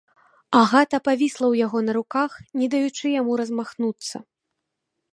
Агата павісла ў яго на руках, не даючы яму размахнуцца.